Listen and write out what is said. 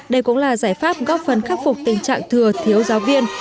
đây cũng là giải pháp góp phần khắc phục tình trạng thừa thiếu giáo viên